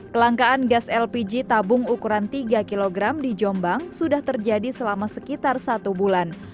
kelangkaan gas lpg tabung ukuran tiga kg di jombang sudah terjadi selama sekitar satu bulan